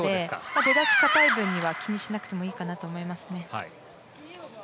出だしが硬い分は気にしなくてもいいかと思います。